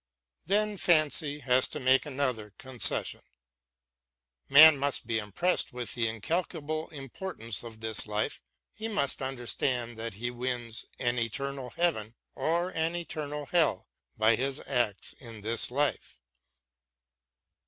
Then Fancy has to make another concession. Man must be impressed with the incalculable importance of this life ; he must understand that he wins an eternal heaven or an eternal hell by his acts in this life.